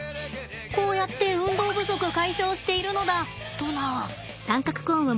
こうやって運動不足解消しているのだとな。